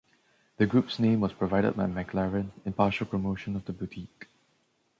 The group's name was provided by McLaren in partial promotion of the boutique.